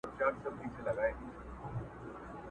د هیلو تر مزاره مي اجل راته راغلی،